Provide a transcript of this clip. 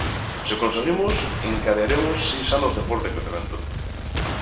Se o conseguimos, encadearemos seis anos de forte crecemento.